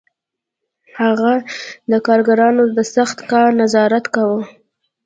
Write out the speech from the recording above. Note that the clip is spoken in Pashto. هغه د کارګرانو د سخت کار نظارت کاوه